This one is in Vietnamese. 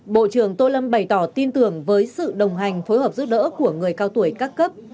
bộ trưởng tô lâm bày tỏ tin tưởng với sự đồng hành phối hợp giúp đỡ của người cao tuổi các cấp